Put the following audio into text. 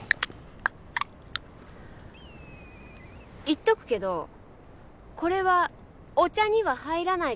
言っとくけどこれはお茶には入らないからね。